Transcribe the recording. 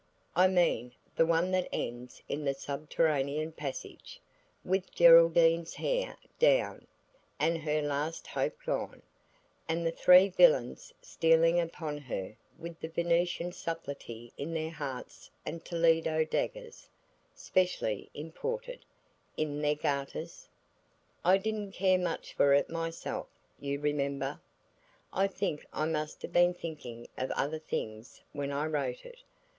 I mean the one that ends in the subterranean passage, with Geraldine's hair down, and her last hope gone, and the three villains stealing upon her with Venetian subtlety in their hearts and Toledo daggers (specially imported) in their garters? I didn't care much for it myself, you remember. I think I must have been thinking of other things when I wrote it.